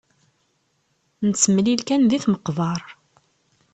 Nettemlil kan di tmeqbar.